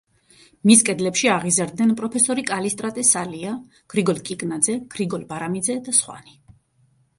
მის კედლებში აღიზარდნენ პროფესორი კალისტრატე სალია, გრიგოლ კიკნაძე, გრიგოლ ბარამიძე და სხვანი.